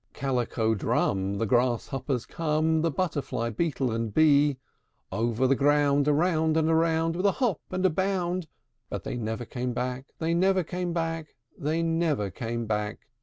IV. Calico drum, The Grasshoppers come, The Butterfly, Beetle, and Bee, Over the ground, Around and round, With a hop and a bound; But they never came back, They never came back, They never came back.